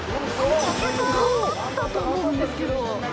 結構頑張ったと思うんですけど。